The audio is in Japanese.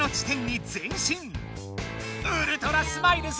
ウルトラスマイルズ